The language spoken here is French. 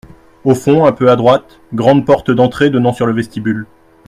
Au fond un peu à droite, grande porte d’entrée donnant sur le vestibule.